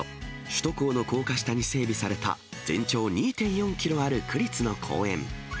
首都高の高架下に整備された、全長２．４キロある区立の公園。